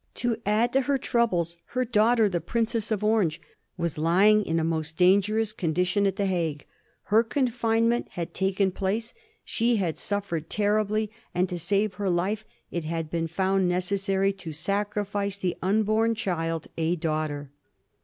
To add to her troables, her daughter, the Princess of Orange, was lying in a most dangeroas con dition at the Hague — her confinement had taken place; she had suffered terribly; and, to save her life, it had been found necessary to sacrifice the unborn child, a daughter.